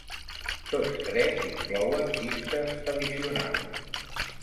Tots tres inclouen pistes addicionals.